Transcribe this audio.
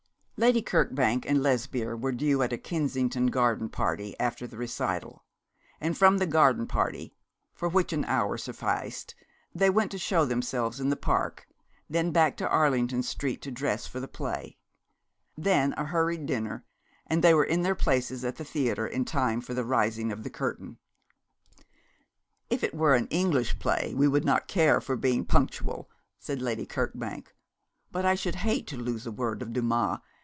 Lady Kirkbank and Lesbia were due at a Kensington garden party after the recital, and from the garden party, for which any hour sufficed, they went to show themselves in the Park, then back to Arlington Street to dress for the play. Then a hurried dinner, and they were in their places at the theatre in time for the rising of the curtain. 'If it were an English play we would not care for being punctual,' said Lady Kirkbank; 'but I should hate to lose a word of Dumas.